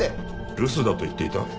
留守だと言っていた？